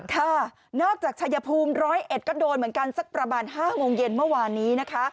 ค่ะนอกจากชายภูมิ๑๐๑ก็โดนเหมือนกันสักประมาณ๕โมงเย็นเมื่อวานนี้นะคะ